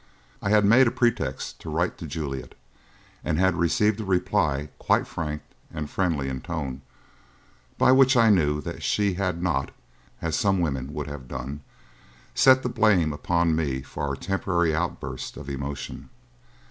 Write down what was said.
I had made a pretext to write to Juliet and had received a reply quite frank and friendly in tone, by which I knew that she had not as some women would have done set the blame upon me for our temporary outburst of emotion.